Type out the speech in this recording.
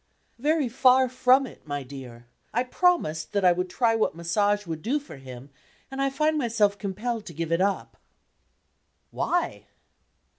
"Very far from it, my dear. I promised that I would try what Massage would do for him, and I find myself compelled to give it up." "Why?"